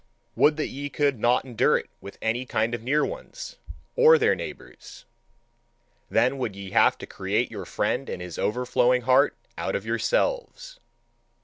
Would that ye could not endure it with any kind of near ones, or their neighbours; then would ye have to create your friend and his overflowing heart out of yourselves.